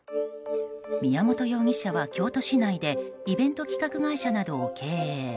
宮本容疑者は京都市内でイベント企画会社などを経営。